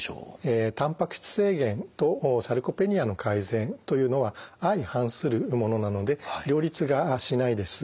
えたんぱく質制限とサルコペニアの改善というのは相反するものなので両立がしないです。